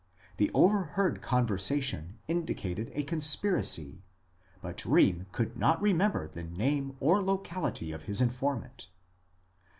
The over heard conversation indicated a conspiracy, but Eheem could not remember the name or locality of his informant.